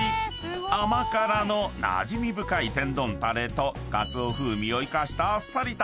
［甘辛のなじみ深い天丼タレと鰹風味を生かした］